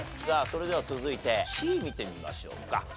さあそれでは続いてＣ見てみましょうか。